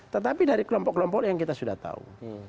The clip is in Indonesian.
tetapi dari kelompok kelompok yang kita sudah tahu